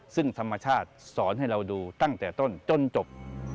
ซึ่งธรรมชาติสอนให้เราดูตั้งแต่ต้นจนจบ